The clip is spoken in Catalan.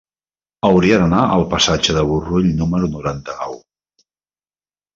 Hauria d'anar al passatge de Burrull número noranta-nou.